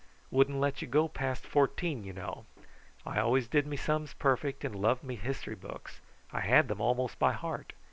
Wouldn't let you go past fourteen, you know. I always did me sums perfect, and loved me history books. I had them almost by heart.